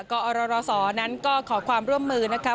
กอรศนั้นก็ขอความร่วมมือนะคะ